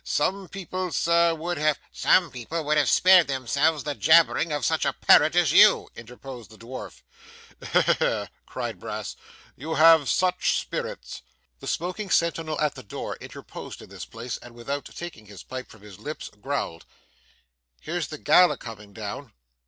Some people, sir, would have ' 'Some people would have spared themselves the jabbering of such a parrot as you,' interposed the dwarf. 'He he he!' cried Brass. 'You have such spirits!' The smoking sentinel at the door interposed in this place, and without taking his pipe from his lips, growled, 'Here's the gal a comin' down.